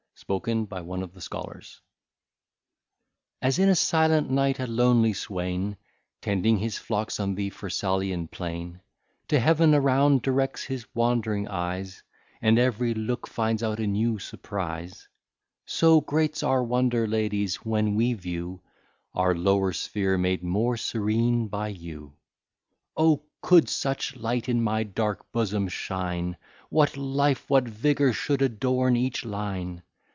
SPOKEN BY ONE OF THE SCHOLARS AS in a silent night a lonely swain, 'Tending his flocks on the Pharsalian plain, To Heaven around directs his wandering eyes, And every look finds out a new surprise; So great's our wonder, ladies, when we view Our lower sphere made more serene by you. O! could such light in my dark bosom shine, What life, what vigour, should adorn each line!